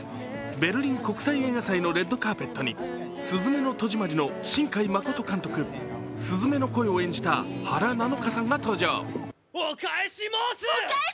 ベルリン国際映画祭のレッドカーペットに「すずめの戸締まり」の新海誠監督、鈴芽の声を演じた原菜乃華さんが登場。